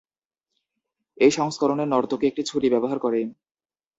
এই সংস্করণে, নর্তকী একটি ছুরি ব্যবহার করে।